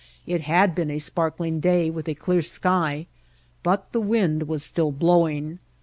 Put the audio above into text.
It had been a sparkling day with a clear sky, but the wind was still blowing.